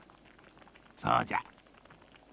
そうじゃ。